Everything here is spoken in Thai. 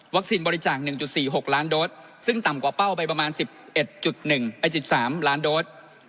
บริจาค๑๔๖ล้านโดสซึ่งต่ำกว่าเป้าไปประมาณ๑๑๑๓ล้านโดส